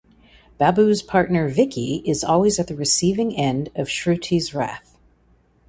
Babbu’s partner Vicky is always at the receiving end of Shruti’s wrath.